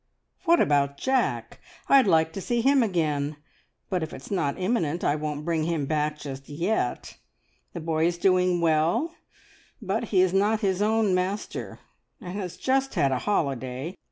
What about Jack? I'd like to see him again, but if it's not imminent, I won't bring him back just yet. The boy is doing well, but he is not his own master, and has just had a holiday.